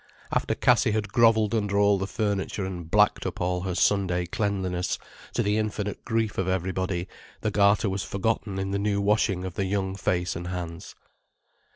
After Cassie had grovelled under all the furniture and blacked up all her Sunday cleanliness, to the infinite grief of everybody, the garter was forgotten in the new washing of the young face and hands.